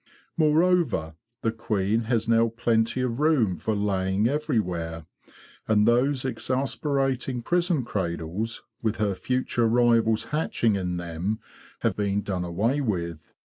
Moreover, the queen has now plenty of room for laying everywhere, and those exasper ating prison cradles, with her future rivals hatching in them, have been done away with.